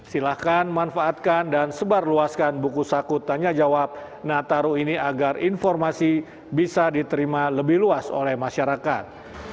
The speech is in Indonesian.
silahkan manfaatkan dan sebarluaskan buku saku tanya jawab nataru ini agar informasi bisa diterima lebih luas oleh masyarakat